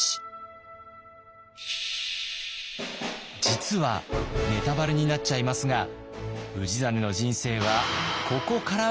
実はネタバレになっちゃいますが氏真の人生はここからがおもしろい！